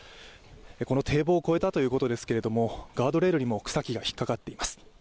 この堤防を越えたということですがガードレールにも草木が引っ掛かっています。